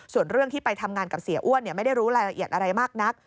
ส่วนเรื่องที่ไปทำงานกับเสียอ้วนไม่ได้รู้รายละเอียดอะไรมากนัก